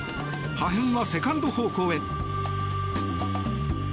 破片はセカンド方向へ。